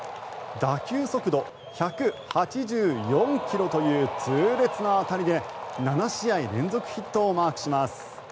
打球速度１８４ｋｍという痛烈な当たりで７試合連続ヒットをマークします。